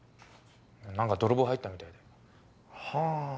何か泥棒入ったみたいではあ